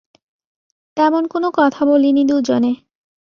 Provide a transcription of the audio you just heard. তেমন কোন কথা বলিনি দুজনে।